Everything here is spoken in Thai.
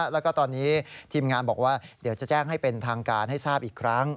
แล้วก็ตอนนี้ทีมงานบอกว่าเดี๋ยวจะแจ้งให้เป็นทางการให้ทราบอีกครั้ง